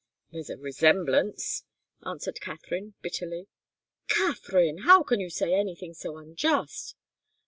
"There's a resemblance," answered Katharine, bitterly. "Katharine! How can you say anything so unjust!"